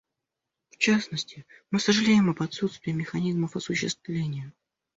В частности, мы сожалеем об отсутствии механизмов осуществления.